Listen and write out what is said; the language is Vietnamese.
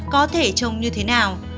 có thể trông như thế nào